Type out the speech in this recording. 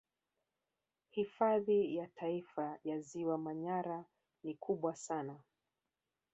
Hifadhi ya Taifa ya ziwa Manyara ni kubwa sana